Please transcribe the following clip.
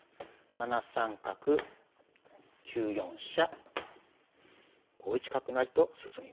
７三角９四飛車５一角成と進みました。